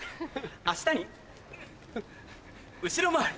明日に後ろ回り。